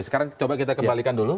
sekarang coba kita kembalikan dulu